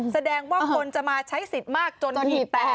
แสดงว่าคนจะมาใช้สิทธิ์มากจนถีบแตก